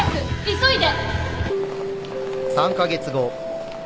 急いで！